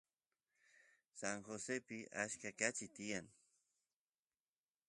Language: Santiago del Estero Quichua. San Josepi achka kachi tiyan